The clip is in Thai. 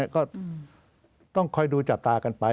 ก็ต้องคอยดูจับตากันไป